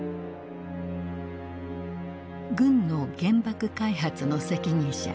軍の原爆開発の責任者